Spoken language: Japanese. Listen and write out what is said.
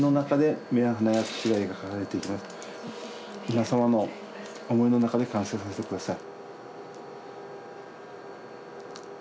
皆さまの思いの中で完成させて下さい。